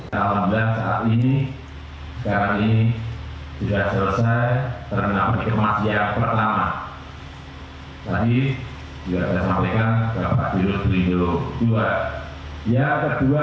dan saat ini sekarang ini sudah selesai terminal peti kemas yang pertama